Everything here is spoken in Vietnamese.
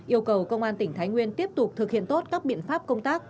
yêu cầu công an tỉnh thái nguyên tiếp tục thực hiện tốt các biện pháp công tác